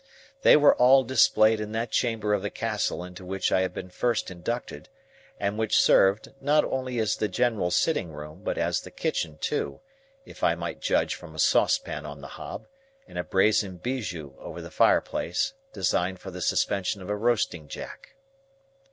They were all displayed in that chamber of the Castle into which I had been first inducted, and which served, not only as the general sitting room but as the kitchen too, if I might judge from a saucepan on the hob, and a brazen bijou over the fireplace designed for the suspension of a roasting jack.